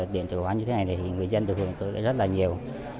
điện tử quán như thế này thì người dân được hưởng tượng rất là nhiều